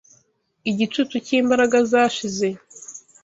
Igicucu cyimbaraga zashize